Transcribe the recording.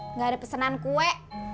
enggak ada pesanan kue